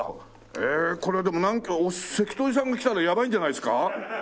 へえこれでもなんか関取さんが来たらやばいんじゃないですか？